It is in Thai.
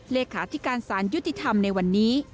เลขาธิการสารยุติธรรมในวันนี้